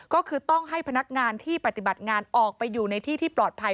ก็คือต้องให้พนักงานที่ปฏิบัติงานออกไปอยู่ในที่ที่ปลอดภัย